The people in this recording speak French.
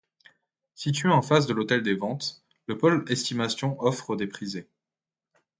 Situés en face de l’Hôtel des ventes, le pôle estimation offre des prisées.